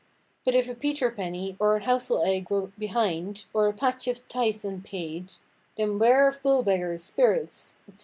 But if a Peter–penny, or an housle–egge were behind, or a patch of tythe unpaid, then 'ware of bull–beggars, spirits," etc.